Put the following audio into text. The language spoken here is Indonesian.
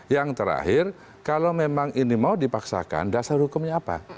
yang terakhir kalau memang ini mau dipaksakan dasar hukumnya apa